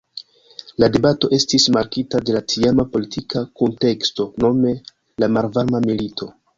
La debato estis markita de la tiama politika kunteksto, nome la Malvarma Milito.